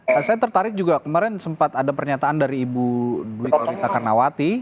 saya tertarik juga kemarin sempat ada pernyataan dari ibu dwi korita karnawati